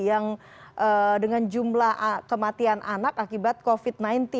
yang dengan jumlah kematian anak akibat covid sembilan belas